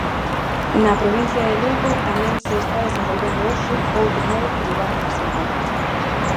Na provincia de Lugo tamén se está desenvolvendo hoxe outro novo cribado masivo.